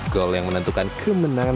gol yang menentukan kemenangan